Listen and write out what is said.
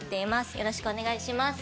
よろしくお願いします。